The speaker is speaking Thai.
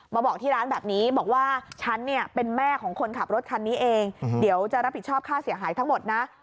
มาบอกที่ร้านแบบนี้บอกว่าฉันเนี่ยเป็นแม่ของคนขับรถคันนี้เองเดี๋ยวจะรับผิดชอบค่าเสียหายทั้งหมดนะ